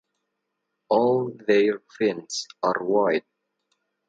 All their fins are white.